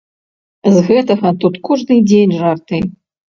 З гэтага тут кожны дзень жарты.